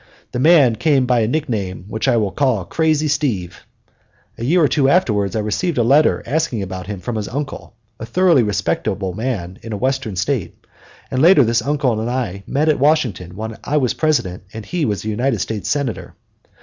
The man went by a nickname which I will call "Crazy Steve"; a year or two afterwards I received a letter asking about him from his uncle, a thoroughly respectable man in a Western State; and later this uncle and I met at Washington when I was President and he a United States Senator.